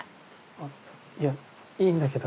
あっいやいいんだけど。